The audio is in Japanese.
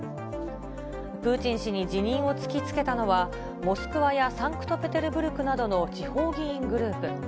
プーチン氏に辞任を突きつけたのは、モスクワやサンクトペテルブルクなどの地方議員グループ。